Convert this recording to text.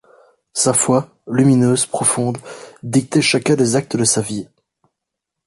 Sa foi, lumineuse, profonde, dictait chacun des actes de sa vie.